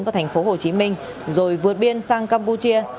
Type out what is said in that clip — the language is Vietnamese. vào thành phố hồ chí minh rồi vượt biên sang campuchia